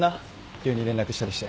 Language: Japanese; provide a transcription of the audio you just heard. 急に連絡したりして